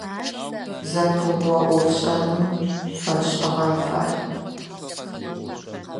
Зэпыугъо ӏофшӏэным фэшӏыгъэн фай.